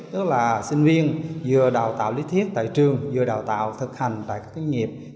tức là sinh viên vừa đào tạo lý thuyết tại trường vừa đào tạo thực hành tại các doanh nghiệp